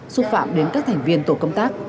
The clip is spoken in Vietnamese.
xúc phạm đến các thành viên tổ công tác